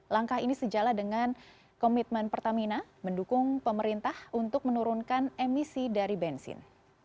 langkah ini sejalan dengan komitmen pertamina mendukung pemerintah untuk menurunkan emisi dari bensin